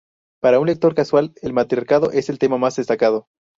Para un lector casual el matriarcado es el tema más destacado.